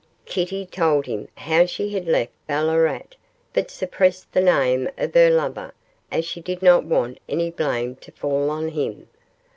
Kitty told him how she had left Ballarat, but suppressed the name of her lover, as she did not want any blame to fall on him.